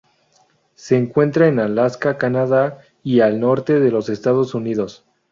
Se encuentra en Alaska, Canadá y al norte de los Estados Unidos.